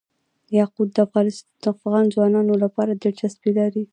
یاقوت د افغان ځوانانو لپاره دلچسپي لري.